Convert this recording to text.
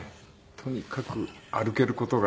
とにかく歩ける事が。